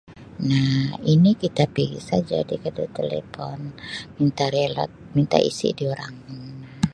Nah Ini kita pigi saja di kedai telefon minta reload minta isi dorang Um.